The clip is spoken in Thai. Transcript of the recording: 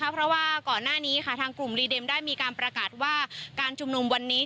เพราะว่าก่อนหน้านี้ทางกลุ่มสมดัติขนาดนี้ได้มีประกาชว่าการจุบนมวันนี้จริง